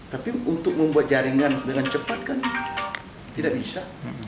tapi untuk membuat jaringan dengan cepat kan tidak bisa